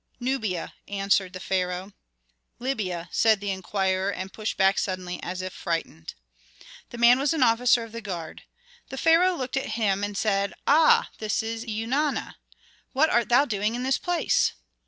"Nubia," answered the pharaoh. "Libya," said the inquirer, and pushed back suddenly, as if frightened. The man was an officer of the guard. The pharaoh looked at him, and said, "Ah, this is Eunana! What art thou doing in this place?"